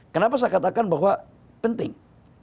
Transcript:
kenapa saya katakan bahwa penting